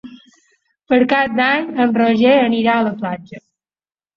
Per Cap d'Any en Roger anirà a la platja.